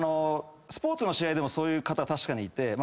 スポーツの試合でもそういう方いて。